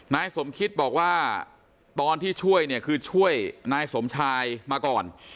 นายสมคิตบอกว่าตอนที่ช่วยเนี่ยคือช่วยนายสมชายมาก่อน